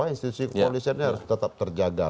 institusi koalisnya harus tetap terjaga